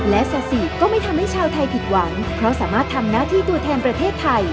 และซาสิก็ไม่ทำให้ชาวไทยผิดหวังเพราะสามารถทำหน้าที่ตัวแทนประเทศไทย